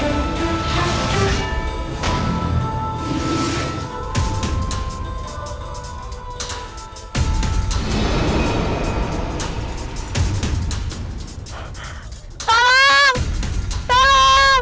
tidak tidak tidak